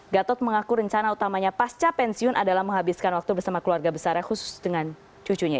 gatot mengaku rencana utamanya pasca pensiun adalah menghabiskan waktu bersama keluarga besarnya khusus dengan cucunya